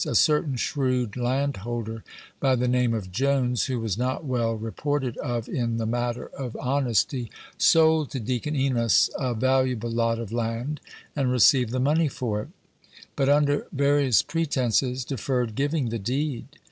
A certain shrewd landholder, by the name of Jones, who was not well reported of in the matter of honesty, sold to Deacon Enos a valuable lot of land, and received the money for it; but, under various pretences, deferred giving the deed.